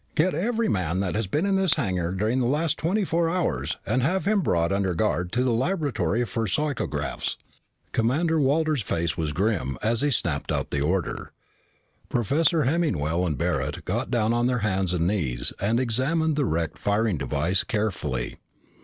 "Get every man that has been in this hangar during the last twenty four hours and have him brought under guard to the laboratory for psychographs." Commander Walters' face was grim as he snapped out the order. Professor Hemmingwell and Barret got down on their hands and knees and examined the wrecked firing device carefully.